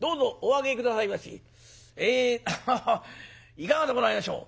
いかがでございましょう？」。